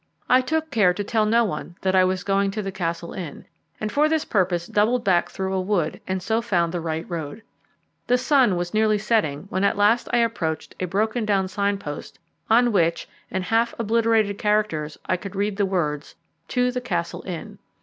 I took care to tell no one that I was going to the Castle Inn, and for this purpose doubled back through a wood, and so found the right road. The sun was nearly setting when at last I approached a broken down signpost, on which, in half obliterated characters, I could read the words, "To the Castle Inn."